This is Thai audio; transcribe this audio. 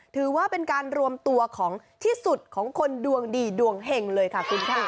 ถือว่าเป็นการรวมตัวของที่สุดของคนดวงดีดวงเห็งเลยค่ะคุณค่ะ